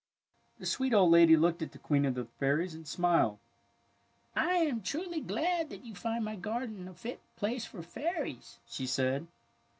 The sweet old lady looked at the Queen of the Fairies and smiled. ^^ I am truly glad that you find my garden a fit place for fairies," she said.